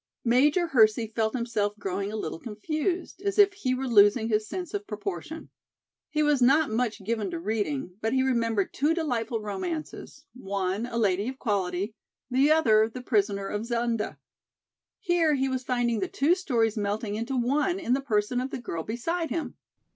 Major Hersey felt himself growing a little confused, as if he were losing his sense of proportion. He was not much given to reading, but he remembered two delightful romances, one "A Lady of Quality," the other "The Prisoner of Zenda." Here he was finding the two stories melting into one in the person of the girl beside him.